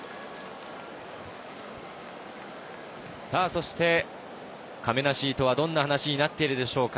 そして、かめなシートは、どんな話になっているでしょうか？